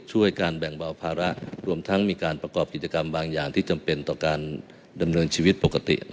ช่วยการแบ่งเบาภาระรวมทั้งมีการประกอบกิจกรรมบางอย่างที่จำเป็นต่อการดำเนินชีวิตปกติ